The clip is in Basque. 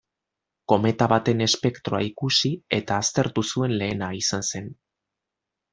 Kometa baten espektroa ikusi eta aztertu zuen lehena izan zen.